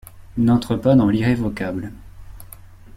N’entre pas dans l’irrévocable.